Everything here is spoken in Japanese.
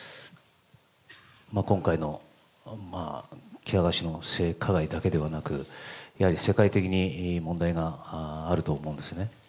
今回の喜多川氏の性加害だけでなく、やはり世界的に問題があると思うんですよね。